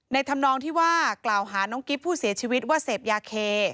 ธรรมนองที่ว่ากล่าวหาน้องกิ๊บผู้เสียชีวิตว่าเสพยาเค